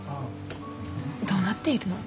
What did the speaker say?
どうなっているの？